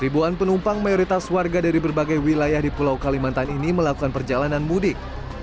ribuan penumpang mayoritas warga dari berbagai wilayah di pulau kalimantan ini melakukan perjalanan mudik